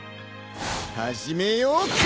始めようか！